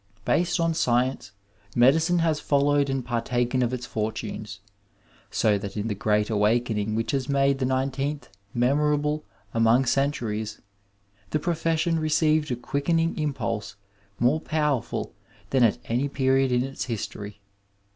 — ^Based on science, medicine has followed and partaken of its fortunes, so that in the great awakening which has made the nine teenth memorable among centuries, the profession re ceived a quickening impulse more powerful than at any period in its history.